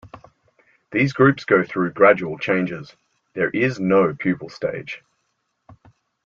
These groups go through gradual changes; there is no pupal stage.